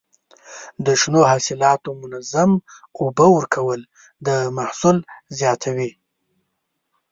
د شنو حاصلاتو منظم اوبه ورکول د محصول زیاتوي.